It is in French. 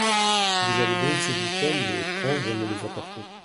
Vous allez donc, s'il vous plaît, les prendre et me les apporter.